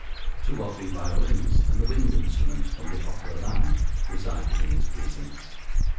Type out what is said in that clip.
Two or three violins and a wind instrument from the Opera band reside within its precincts.